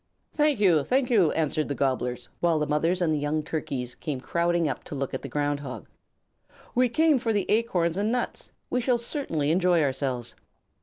"Thank you, thank you!" answered the Gobblers, while the mothers and young Turkeys came crowding up to look at the Ground Hog. "We came for the acorns and nuts. We shall certainly enjoy ourselves."